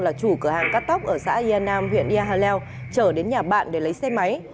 là chủ cửa hàng cắt tóc ở xã yen nam huyện ea hà nèo trở đến nhà bạn để lấy xe máy